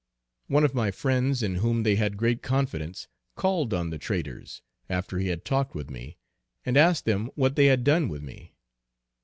One of my friends in whom they had great confidence, called on the traitors, after he had talked with me, and asked them what they had done with me.